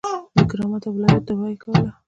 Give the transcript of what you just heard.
د کرامت او ولایت دعوه کوله.